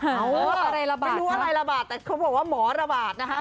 อะไรระบาดไม่รู้อะไรระบาดแต่เขาบอกว่าหมอระบาดนะคะ